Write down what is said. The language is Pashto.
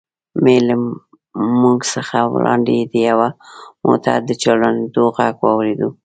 مې له موږ څخه وړاندې د یوه موټر د چالانېدو غږ واورېد.